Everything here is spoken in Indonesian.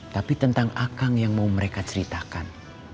tapi tentang akang yang mau mereka ceritakan